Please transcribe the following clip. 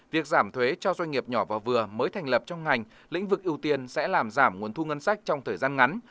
việc giảm thuế cho doanh nghiệp nhỏ và vừa mới thành lập trong ngành lĩnh vực ưu tiên sẽ làm giảm nguồn thu ngân sách trong thời gian ngắn